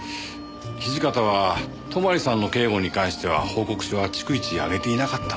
土方は泊さんの警護に関しては報告書は逐一上げていなかったので。